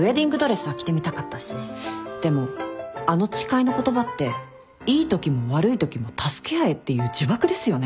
でもあの「誓いの言葉」っていいときも悪いときも助け合えっていう呪縛ですよね。